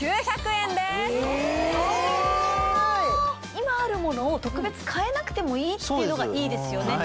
今あるものを特別替えなくてもいいっていうのがいいですよね。